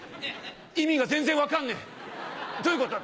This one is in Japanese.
「意味が全然分かんねえどういうこと？」。